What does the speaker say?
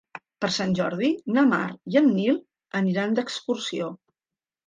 Per Sant Jordi na Mar i en Nil aniran d'excursió.